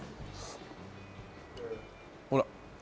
ほら。